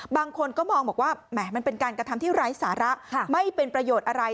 บางคนก็มองบอกว่าแหมมันเป็นการกระทำที่ไร้สาระไม่เป็นประโยชน์อะไร